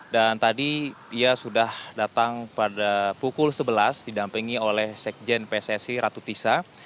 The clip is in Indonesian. dan tadi ia sudah datang pada pukul sebelas didampingi oleh sekjen pssi ratu tisa